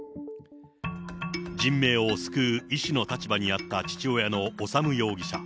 人命を救う医師の立場にあった父親の修容疑者。